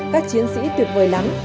các chiến sĩ tuyệt vời lắm